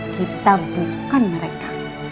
kita bukan mereka